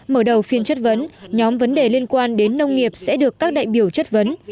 mở đầu phiên chất vấn nhóm vấn đề liên quan đến nông nghiệp sẽ được các đại biểu chất vấn